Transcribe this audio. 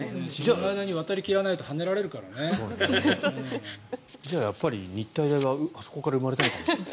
その間に渡り切らないとやっぱり日体大はあそこから生まれたのかもしれない。